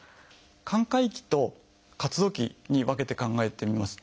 寛解期と活動期に分けて考えてみます。